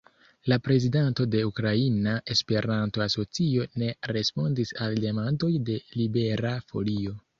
La prezidanto de Ukraina Esperanto-Asocio ne respondis al demandoj de Libera Folio.